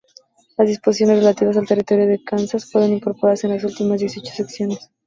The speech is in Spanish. Las disposiciones relativas al Territorio de Kansas fueron incorporados en las últimas dieciocho secciones.